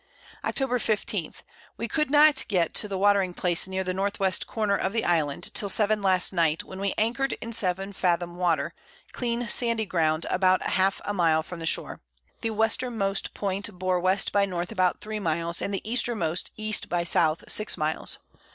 Octob. 15. We could not get to the Watering Place near the N. W. Corner of the Island, till 7 last Night, when we anchor'd in 7 Fathom Water, clean sandy Ground, about half a Mile from the Shore; the Westermost Point bore W. by N. about 3 Miles, and the Eastermost E. by S. 6 Miles.